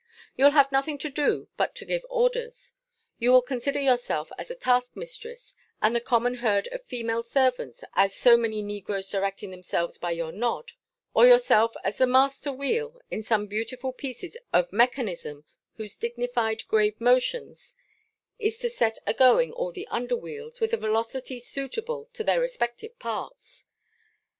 You'll have nothing to do but to give orders. You will consider yourself as the task mistress, and the common herd of female servants as so many negroes directing themselves by your nod; or yourself as the master wheel, in some beautiful pieces of mechanism, whose dignified grave motions is to set a going all the under wheels, with a velocity suitable to their respective parts.